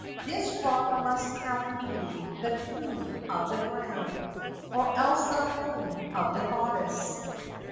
This rock must have been the tomb of the drowned, or else the home of the goddess.